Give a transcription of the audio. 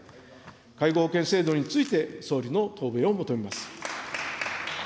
介護保険制度について、総理の答弁を求めます。